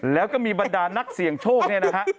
แล้วก็มีบรรดานักเสี่ยงโชคเนี่ยนะฮะ